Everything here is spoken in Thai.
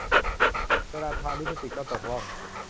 เวลาทาลิปสติกก็ตกร่อง